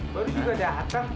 baru juga datang